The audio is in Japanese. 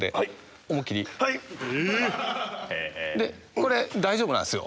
これ大丈夫なんですよ。